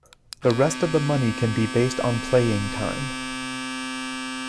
The rest of the money can be based on playing time.